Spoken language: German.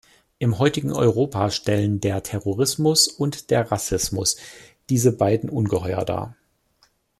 Im heutigen Europa stellen der Terrorismus und der Rassismus diese beiden Ungeheuer dar.